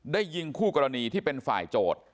ยิงคู่กรณีที่เป็นฝ่ายโจทย์